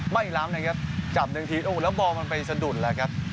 ล้ำนะครับจับหนึ่งทีโอ้โหแล้วบอลมันไปสะดุดแล้วครับ